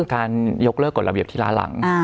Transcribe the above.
การยกเลิกกฎระเบียบที่ล้าหลัง